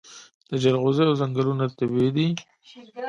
د جلغوزیو ځنګلونه طبیعي دي؟